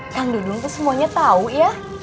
kang dudung itu semuanya tahu ya